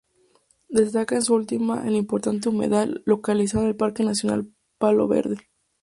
Destaca en esta última el importante humedal localizado en el Parque Nacional Palo Verde.